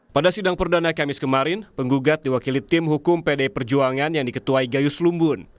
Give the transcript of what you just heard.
pada sidang perdana kamis kemarin penggugat diwakili tim hukum pdi perjuangan yang diketuai gayus lumbun